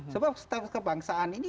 sebab setelah kebangsaan ini